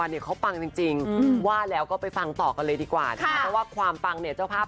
ดีใจว่าเป็นปีเป็นเวลามาก